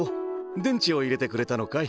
でんちをいれてくれたのかい？